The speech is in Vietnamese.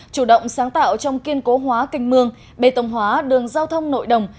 chủ động sáng tạo trong kiên cố hóa kênh mương bê tông hóa đường giao thông nội đồng